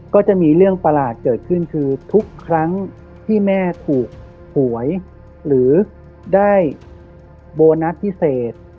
ก็จะมีเรื่องประหลาดเกิดขึ้นคือทุกครั้งที่แม่ถูกหวยหรือได้โบนัสพิเศษ